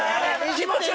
気持ち悪。